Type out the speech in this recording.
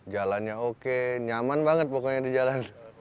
jalannya oke nyaman banget pokoknya di jalan